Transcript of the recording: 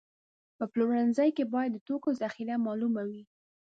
په پلورنځي کې باید د توکو ذخیره معلومه وي.